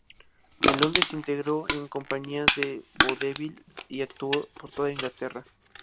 En Londres se integró en compañías de vodevil y actuó por toda Inglaterra.